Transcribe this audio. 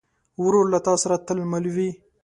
ورور له تا سره تل مل وي.